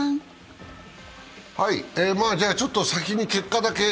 じゃ、ちょっと先に結果だけ。